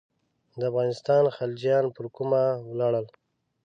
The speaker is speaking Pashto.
د افغانستان خلجیان پر کومه ولاړل.